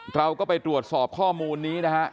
เราก็ไปตรวจสอบข้อมูลนี้นะฮะ